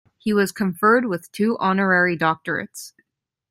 He was conferred with two Honorary Doctorates.